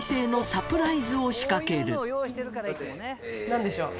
何でしょう？